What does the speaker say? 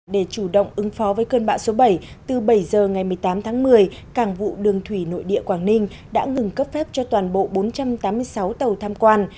để chủ động ứng phó với cơn bão số bảy từ bảy giờ ngày một mươi tám tháng một mươi cảng vụ đường thủy nội địa quảng ninh đã ngừng cấp phép cho toàn bộ bốn trăm tám mươi sáu tàu tham quan